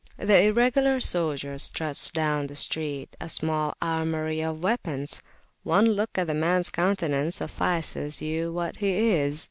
The Irregular soldier struts down the street a small armoury of weapons: one look at the man's countenance suffices to tell you what he is.